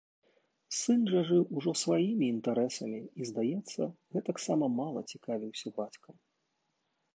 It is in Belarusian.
Сын жа жыў ужо сваімі інтарэсамі і, здаецца, гэтаксама мала цікавіўся бацькам.